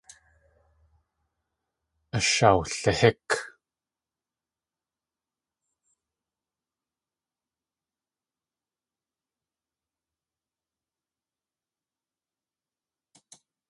Ashawlihík.